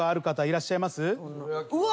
うわ。